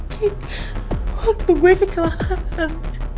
ki waktu gue kecelakaan